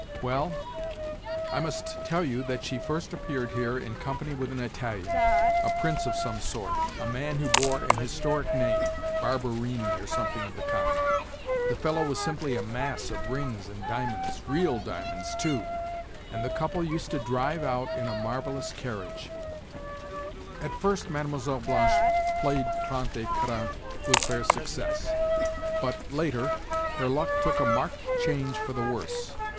"Well, I must tell you that she first appeared here in company with an Italian—a prince of some sort, a man who bore an historic name (Barberini or something of the kind). The fellow was simply a mass of rings and diamonds—real diamonds, too—and the couple used to drive out in a marvellous carriage. At first Mlle. Blanche played 'trente et quarante' with fair success, but, later, her luck took a marked change for the worse.